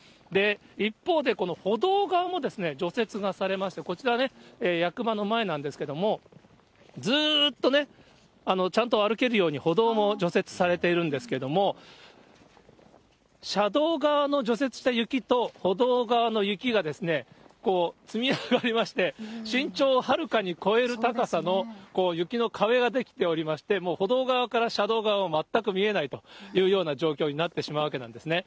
一方で、この歩道側も除雪がされまして、こちらね、役場の前なんですけども、ずっとね、ちゃんと歩けるように歩道も除雪されているんですけれども、車道側の除雪した雪と、歩道側の雪が積み上がりまして、身長をはるかに越える高さの雪の壁が出来ておりまして、もう歩道側から車道側は全く見えないというような状況になってしまうわけなんですね。